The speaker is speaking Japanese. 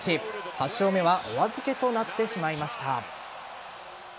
８勝目はお預けとなってしまいました。